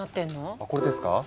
あこれですか？